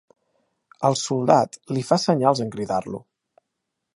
El soldat li fa senyals en cridar-lo.